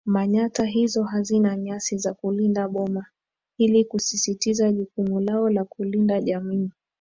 Manyatta hizo hazina nyasi za kulinda boma ili kusisitiza jukumu lao la kulinda jamii